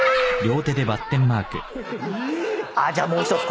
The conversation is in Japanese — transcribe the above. え⁉じゃあもう１つ。